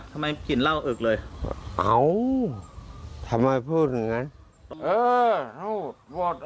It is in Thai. ทำไมกลิ่นเหล้าอึกเลยอ๋อทำไมพูดอย่างนั้นเออโหหลังพ่อ